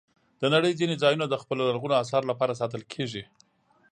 د نړۍ ځینې ځایونه د خپلو لرغونو آثارو لپاره ساتل کېږي.